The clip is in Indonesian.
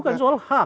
bukan soal hak